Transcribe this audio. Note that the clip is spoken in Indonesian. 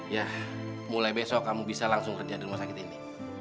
ya mulai besok kamu bisa langsung kerja di rumah sakit ini